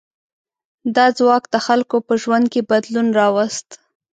دا ځواک د خلکو په ژوند کې بدلون راوست.